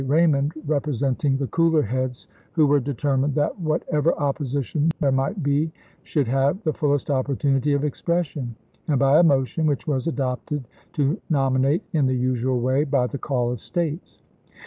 Raymond, represent ing the cooler heads, who were determined that whatever opposition there might be should have the fullest opportunity of expression ; and by a motion, which was adopted, to nominate in the usual way, by the call of States.